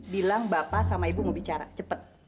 bilang bapak sama ibu mau bicara cepet